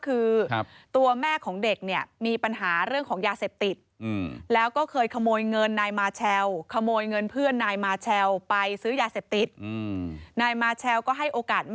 เออประเด็นเริ่มต้นมันคืออะไร